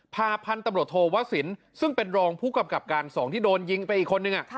พันธุ์ตำรวจโทวสินซึ่งเป็นรองผู้กำกับการ๒ที่โดนยิงไปอีกคนนึง